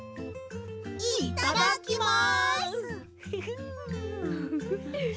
いっただきます！